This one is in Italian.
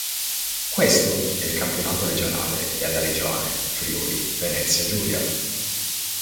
Questo è il campionato regionale della regione Friuli-Venezia Giulia.